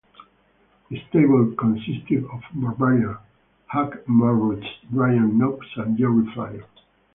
The stable consisted of Barbarian, Hugh Morrus, Brian Knobs, and Jerry Flynn.